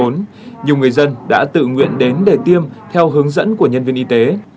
nhiều người dân đã tự nguyện đến để tiêm theo hướng dẫn của nhân viên y tế